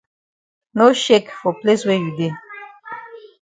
No shake for place wey you dey.